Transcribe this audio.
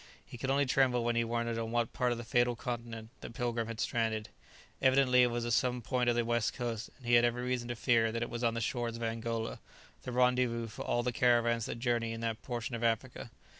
He could only tremble when he wondered on what part of the fatal continent the "Pilgrim" had stranded. Evidently it was at some point of the west coast, and he had every reason to fear that it was on the shores of Angola, the rendezvous for all the caravans that journey in that portion of Africa.